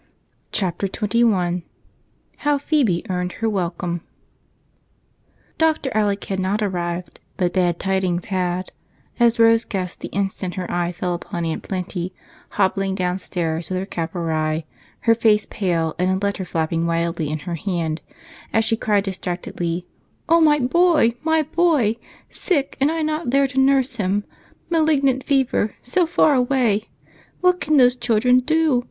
Chapter 21 HOW PHEBE EARNED HER WELCOME Dr. Alec had not arrived, but bad tidings had, as Rose guessed the instant her eyes fell upon Aunt Plenty, hobbling downstairs with her cap awry, her face pale, and a letter flapping wildly in her hand as she cried distractedly: "Oh, my boy! My boy! Sick, and I not there to nurse him! Malignant fever, so far away. What can those children do?